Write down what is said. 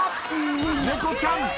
猫ちゃん。